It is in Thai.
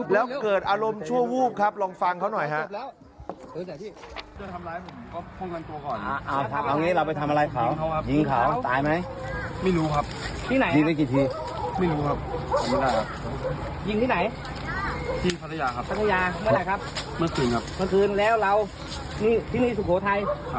แล้วเกิดอารมณ์ชั่ววูบครับลองฟังเขาหน่อยฮะ